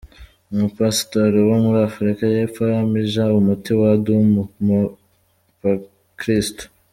Umupastori wo muri Afrika yepfo amija umuti wa Doom mu bakristu.